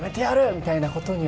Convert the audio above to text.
みたいなことには？